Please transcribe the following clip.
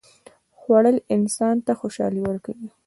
خوړل انسان ته خوشالي ورکوي